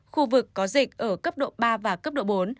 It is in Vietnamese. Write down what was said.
khu vực có dịch ở cấp độ ba và cấp độ bốn